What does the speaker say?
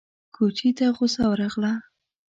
کوچي ته غوسه ورغله!